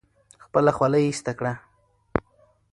خپله خولۍ ایسته کړه.